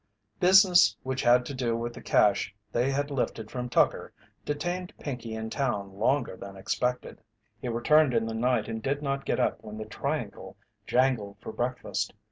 Business which had to do with the cache they had lifted from Tucker detained Pinkey in town longer than expected. He returned in the night and did not get up when the triangle jangled for breakfast.